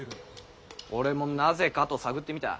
俺もなぜかと探ってみた。